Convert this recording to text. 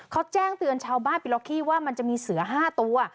เขาแจ้งเตือนชาวบ้านปิล็อกกี้ว่ามันจะมีเสือ๕ตัว